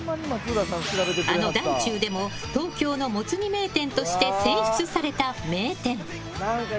あの「ｄａｎｃｙｕ」でも東京のモツ煮名店として選出された名店。